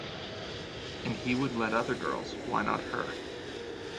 And he would let other girls, why not her?